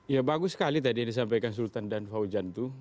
ya bagus sekali tadi yang disampaikan sultan dan fauzan itu